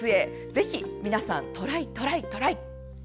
ぜひ皆さんトライ、トライ、トライ！